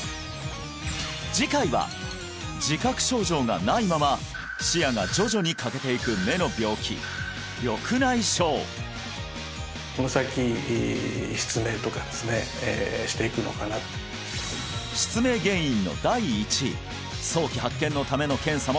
次回は自覚症状がないまま視野が徐々に欠けていく目の病気緑内障失明原因の第１位